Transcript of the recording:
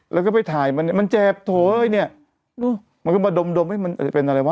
แล้วก็ไปถ่ายมันเนี่ยมันเจ็บโถเอ้ยเนี่ยมันก็มาดมดมให้มันเป็นอะไรวะ